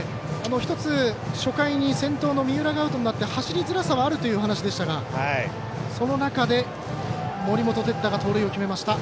１つ、初回に先頭の三浦がアウトになって走りづらさはあるというお話でしたがその中で、森本哲太が盗塁を決めました。